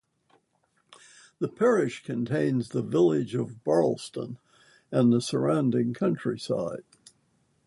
The parish contains the village of Barlaston and the surrounding countryside.